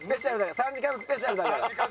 ３時間スペシャルだから。